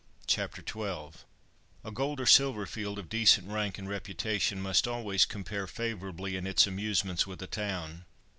CHAPTER XII A GOLD or silver field of decent rank and reputation must always compare favourably in its amusements with a town.